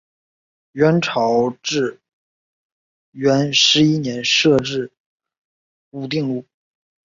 元朝至元十一年设置武定路。